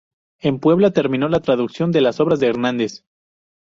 En Puebla terminó la traducción de las obras de Hernández.